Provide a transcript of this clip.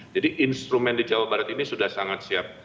jadi instrumen di jawa barat ini sudah sangat siap